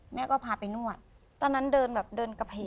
แม่ก็พาไปนวดตอนนั้นเดินแบบเดินกระเพก